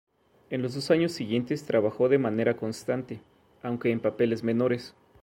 En los dos años siguientes trabajó de manera constante, aunque en papeles menores.